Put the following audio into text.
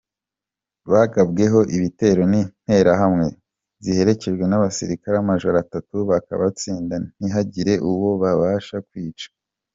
Bagabweho ibitero n’Interahamwe ziherekejwe n’abasirikare amajoro atatu bakabatsinda ntihagire uwo babasha kwica.